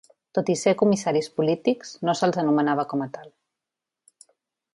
Tot i ser comissaris polítics, no se'ls anomenava com a tal.